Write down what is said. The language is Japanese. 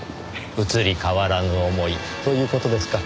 移り変わらぬ思いという事ですか？